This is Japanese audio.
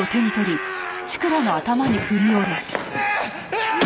うわっ！